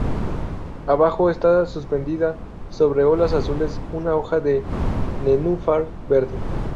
Abajo, está suspendida sobre olas azules una hoja de nenúfar verde.